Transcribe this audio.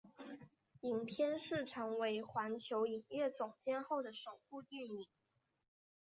影片是成为环球影业总监后的首部电影。